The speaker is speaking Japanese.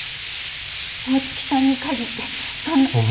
大月さんに限ってそんな。